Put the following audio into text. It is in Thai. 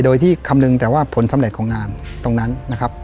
โดยที่คำนึงแต่ว่าผลสำเร็จของงานตรงนั้นนะครับ